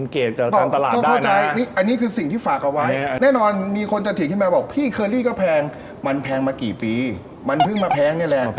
อันนี้คือสิ่งที่ฝากเอาไว้แน่นอนมีคนจะถิ่นขึ้นมาบอกพี่เคอรี่ก็แพงมันแพงมากี่ปีมันเพิ่งมาแพงนี่แหละ